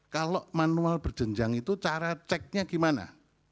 kalau manual berjenjang itu cara ceknya gimana